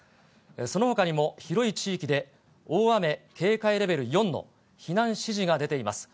そのほかにも広い地域で大雨警戒レベル４の避難指示が出ています。